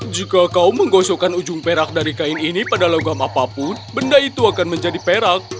jika kau menggosokkan ujung perak dari kain ini pada logam apapun benda itu akan menjadi perak